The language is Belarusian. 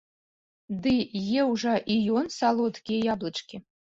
Ды еў жа і ён салодкія яблычкі!